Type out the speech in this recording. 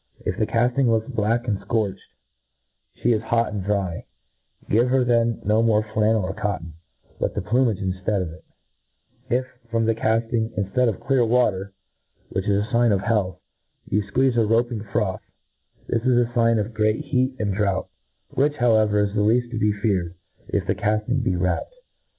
If the caftiilg looks black and fcorched, flie is hot* and dry; give her then no more flannel or cotton, but plumage inftead of it. If, from the caftbgj, infl:ead of a clear water, which V MODERN FAULCONRY. 201 which IS" a fign of heahh, you fqueezc a roaping froth, this is a fign of great heat and drought j which, however, is the left to be feared, if the carting be wrapped.